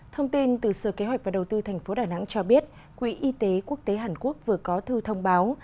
thông tin từ sở kế hoạch và đầu tư tp đà nẵng cho biết quỹ y tế quốc tế hàn quốc vừa có thư thông báo